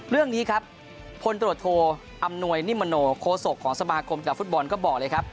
เรื่องนี้ครับพลตรวจโทอำนวยนิมโนโคศกของสมาคมจากฟุตบอลก็บอกเลยครับ